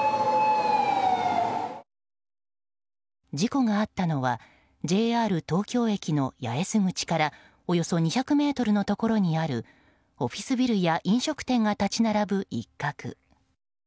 事故があったのはＪＲ東京駅の八重洲口からおよそ２００ｍのところにあるオフィスビルや飲食店が立ち並ぶ一角。